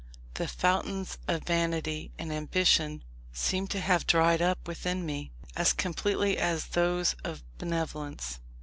The fountains of vanity and ambition seemed to have dried up within me, as completely as those of benevolence.